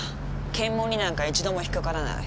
検問になんか一度も引っかからない。